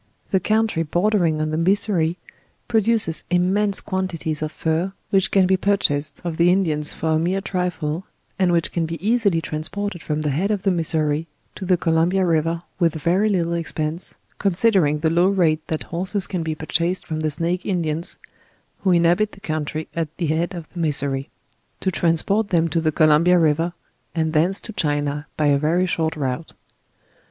'1 he country bordering on the Missouri produces immense quantities of fur, which can be purchased of the Indians for a mere trifle, and which can be easily transported from the head of the Missouri to the Columbia river with very little expense, considering the low rate that horses can be purchas ed from the Snake Indians (who inhabit the country at the bead of the Missouri) to transport them to the Columbia ri ver, and thence to China by a very short route.